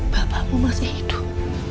bapakmu masih hidup